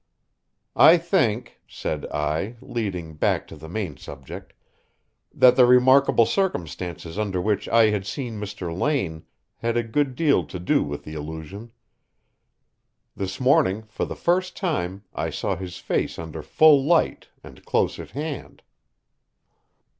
"I think," said I, leading back to the main subject, "that the remarkable circumstances under which I had seen Mr. Lane had a good deal to do with the illusion. This morning, for the first time, I saw his face under full light and close at hand."